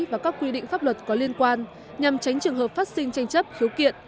và các quy định pháp luật có liên quan nhằm tránh trường hợp phát sinh tranh chấp khiếu kiện